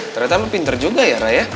ternyata lo pinter juga ya rai